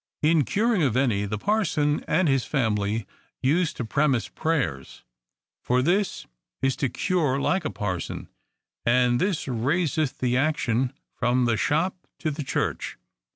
In curing of any, the parson and his family use to pre mise prayers ; for this is to cure like a parson, and this raiseth the action from the shop to the church.